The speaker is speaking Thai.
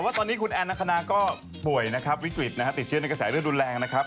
ว่าตอนนี้คุณแอนนาคณาก็ป่วยนะครับวิกฤตนะฮะติดเชื้อในกระแสเลือดรุนแรงนะครับ